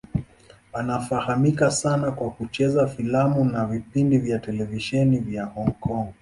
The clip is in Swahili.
Anafahamika sana kwa kucheza filamu na vipindi vya televisheni vya Hong Kong.